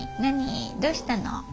どうしたの？